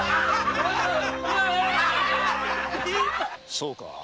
そうか。